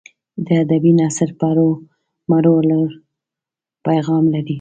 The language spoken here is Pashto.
ادبي نثر به هرو مرو لوړ پیغام لري.